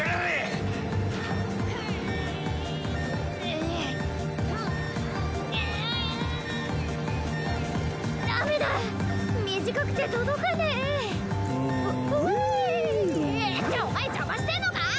いっ！お前邪魔してんのか！